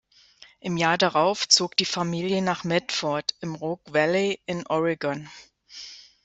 Im Jahr darauf zog die Familie nach Medford im Rogue Valley in Oregon.